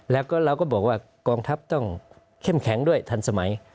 แล้วก็เราก็บอกว่ากองทัพต้องเข้มแข็งด้วยทันสมัย